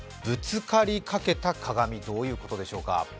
ぶつかりかけた鏡、どういうことでしょうか？